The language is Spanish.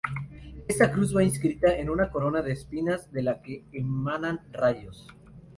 Esta cruz va inscrita en una corona de espinas de la que emanan rayos.